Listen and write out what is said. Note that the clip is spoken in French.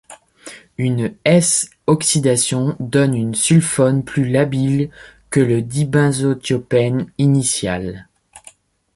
Une S-oxydation donne une sulfone plus labile que le dibenzothiophène initial.